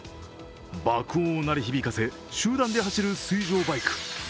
爆音を鳴り響かせ、集団で走る水上バイク。